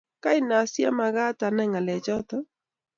Kaine asiamagaat anay ngalechoto?